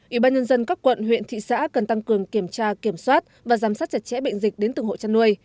ủy ban nhân dân các quận huyện thị xã cần tăng cường kiểm tra kiểm soát và giám sát chặt chẽ bệnh dịch đến từng hộ chăn nuôi